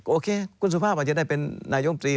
โอเคคุณสุภาพอาจจะได้เป็นนายมตรี